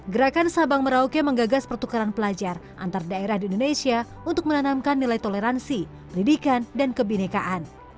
gerakan sabang merauke menggagas pertukaran pelajar antar daerah di indonesia untuk menanamkan nilai toleransi pendidikan dan kebinekaan